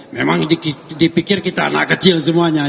memang dipikir kita anak kecil semuanya